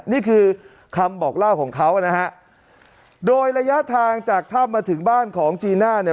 นี่คือคำบอกเล่าของเขานะฮะโดยระยะทางจากถ้ำมาถึงบ้านของจีน่าเนี่ย